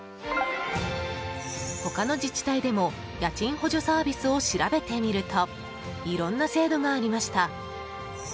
他の自治体でも家賃補助サービスを調べてみるといろんな制度がありました。